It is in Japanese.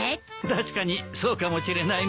確かにそうかもしれないね。